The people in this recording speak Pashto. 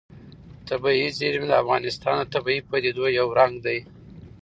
طبیعي زیرمې د افغانستان د طبیعي پدیدو یو رنګ دی.